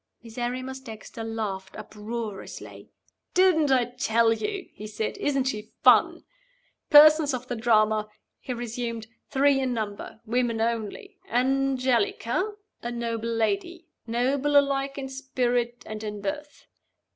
Miserrimus Dexter laughed uproariously. "Didn't I tell you?" he said. "Isn't she fun? Persons of the Drama." he resumed: "three in number. Women only. Angelica, a noble lady; noble alike in spirit and in birth.